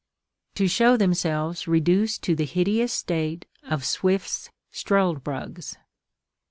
—to show themselves reduced to the hideous state of Swift's Struldbrugs.